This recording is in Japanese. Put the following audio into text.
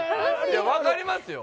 分かりますよ。